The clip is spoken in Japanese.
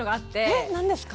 えっ何ですか？